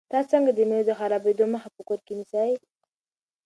تاسو څنګه د مېوو د خرابېدو مخه په کور کې نیسئ؟